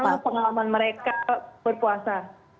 pengalaman mereka berpuasa